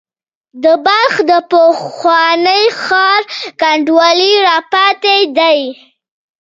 د بلخ د پخواني ښار کنډوالې را پاتې دي.